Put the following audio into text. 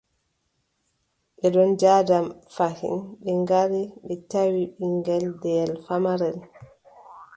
Ɓe ɗon njaada fayin, ɓe ngari, ɓe tawi, ɓiŋngel deyel famarel.